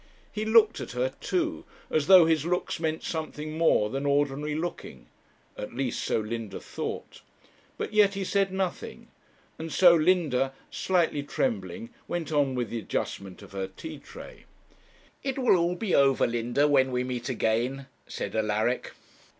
He looked at her too, as though his looks meant something more than ordinary looking; at least so Linda thought; but yet he said nothing, and so Linda, slightly trembling, went on with the adjustment of her tea tray. 'It will be all over, Linda, when we meet again,' said Alaric.